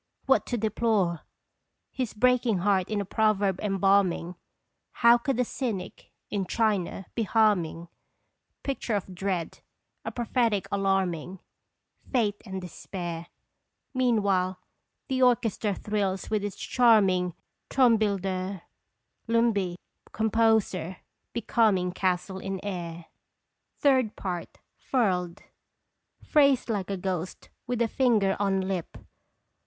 What to deplore? His breaking heart in a proverb embalming, How could a cynic in China be harming? Picture of dread, a prophetic alarming, Fate and despair ! Meanwhile the orchestra thrills with its charming Traumbilder^ Lumbye, composer, becalming Castle in air ! 111. FURLED. Phrase like a ghost with a finger on lip